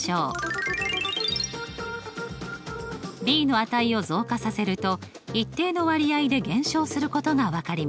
ｂの値を増加させると一定の割合で減少することが分かります。